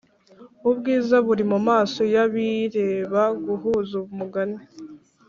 ubwiza buri mumaso yabireba guhuza umugani